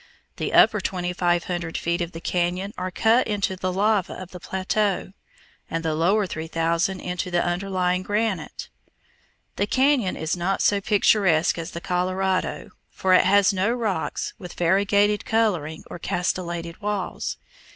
The upper twenty five hundred feet of the cañon are cut into the lava of the plateau, and the lower three thousand into the underlying granite. The cañon is not so picturesque as the Colorado, for it has no rocks with variegated coloring or castellated walls.